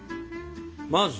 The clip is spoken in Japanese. まず？